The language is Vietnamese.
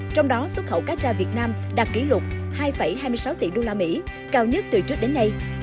trong đó xuất khẩu cá tra việt nam đạt kỷ lục hai hai mươi sáu tỷ usd cao nhất từ trước đến nay